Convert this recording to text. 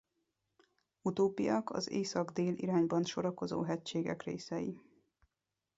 Utóbbiak a észak-dél irányban sorakozó hegységek részei.